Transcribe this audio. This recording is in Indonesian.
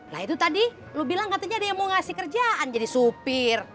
nah itu tadi lo bilang katanya ada yang mau ngasih kerjaan jadi supir